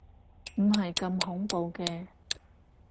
唔係咁恐怖嘅